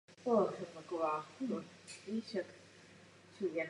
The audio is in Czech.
Ve vysokých nadmořských výškách zůstává po celý rok.